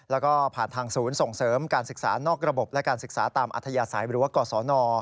แล้วก็ผ่านทางศูนย์ส่งเสริมการศึกษานอกระบบและการศึกษาตามอัธยาศัยหรือว่ากศน